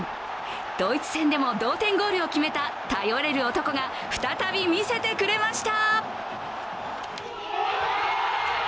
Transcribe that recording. ドイツ戦でも同点ゴールを決めた頼れる男が再び見せてくれました。